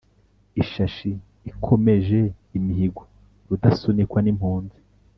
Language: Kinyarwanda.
Ishashi ikomeje imihigo Rudasunikwa n’ impunzi